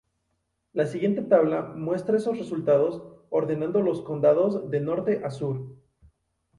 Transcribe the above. La siguiente tabla muestra esos resultados ordenando los condados de Norte a Sur.